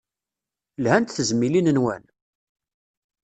Lhant tezmilin-nwen?